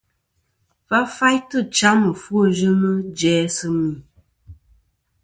Va faytɨ cham ɨfwoyɨnɨ jæ sɨ mì.